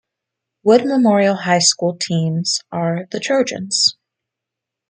Wood Memorial High School teams are the Trojans.